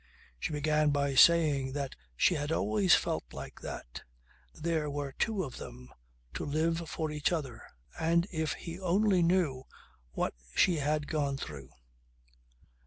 She began by saying that she had always felt like that. There were two of them, to live for each other. And if he only knew what she had gone through!